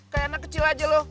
kayak anak kecil aja loh